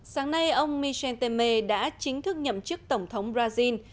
sáng nay ông michel temer đã chính thức nhậm chức tổng thống brazil